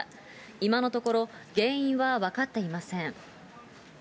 今のところ、原因は分かっていません。